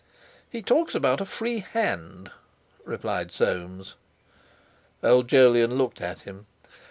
"He talks about 'a free hand,'" replied Soames. Old Jolyon looked at him.